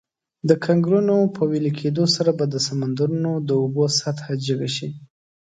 د کنګلونو په ویلي کیدو سره به د سمندرونو د اوبو سطحه جګه شي.